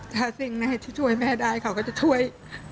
ถ้าสิ่งไหนที่ช่วยแม่ได้เขาก็จะช่วย